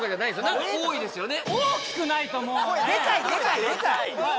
何か多いですよね